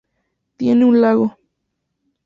Tiene un lago.